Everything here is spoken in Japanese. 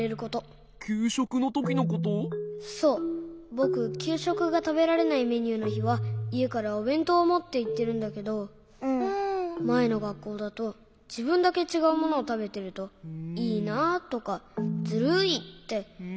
ぼくきゅうしょくがたべられないメニューのひはいえからおべんとうをもっていってるんだけどまえのがっこうだとじぶんだけちがうものをたべてると「いいな」とか「ずるい！」っていわれることがあって。